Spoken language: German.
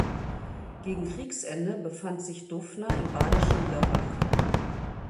Gegen Kriegsende befand sich Duffner im badischen Lörrach.